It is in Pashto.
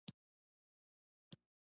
مناوله مانا بخښل، يا ورکول ده.